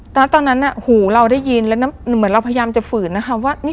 ตอนตอนนั้นอะหูเราได้ยินแล้วน้ำหรือเหมือนเราพยายามจะฝืนนะครับว่า